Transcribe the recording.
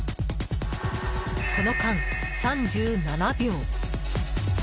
この間、３７秒。